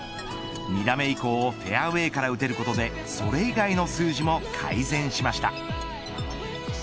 ２打目以降フェアウェイから打てることでそれ以外の数字も改善しました。